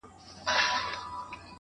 ما تاته د پرون د خوب تعبير پر مخ گنډلی~